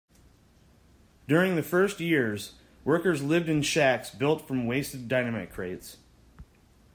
During the first years, workers lived in shacks built from wasted dynamite crates.